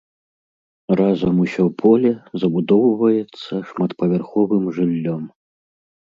Разам усё поле забудоўваецца шматпавярховым жыллём.